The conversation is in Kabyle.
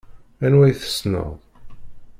Anwa i tessneḍ?